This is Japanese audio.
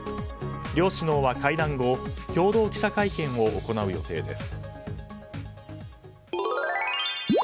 両首脳は、会談後共同記者会見を行う予定です。